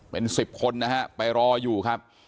เป็น๑๐คนนะฮะไปรออยู่ครับ